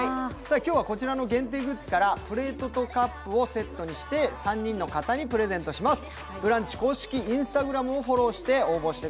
今日はこちらの限定グッズからプレートとカップをセットにして３人の方にプレゼントします。